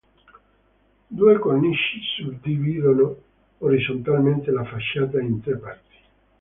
Due cornici suddividono orizzontalmente la facciata in tre parti.